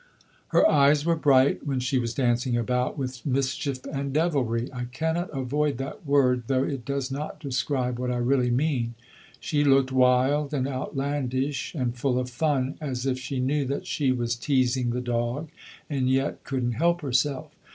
"Her eyes were bright when she was dancing about with mischief and devilry. I cannot avoid that word, though it does not describe what I really mean. She looked wild and outlandish and full of fun, as if she knew that she was teasing the dog, and yet couldn't help herself.